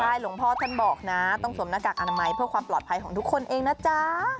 หลวงพ่อท่านบอกนะต้องสวมหน้ากากอนามัยเพื่อความปลอดภัยของทุกคนเองนะจ๊ะ